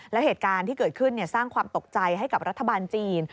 แล้วเหตุการณ์ที่เกิดขึ้นสร้างความตกใจให้กับรัฐบาลจีน